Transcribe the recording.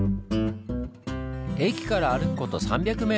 駅から歩くこと３００ｍ。